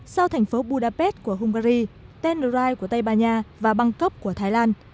sau thành phố budapest của hungary tendrai của tây ban nha và bangkok của thái lan